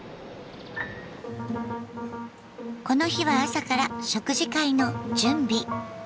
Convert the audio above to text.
この日は朝から食事会の準備。